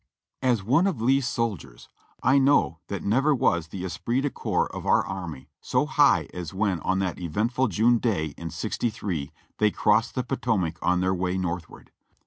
As one of Lee's soldiers I know that never was the esprit de corps of our army so high as when on that eventful June day in '63 they crossed the Potomac on their way northward.